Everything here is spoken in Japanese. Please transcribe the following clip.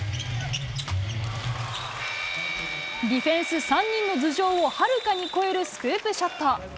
ディフェンス３人の頭上をはるかに超えるスクープショット。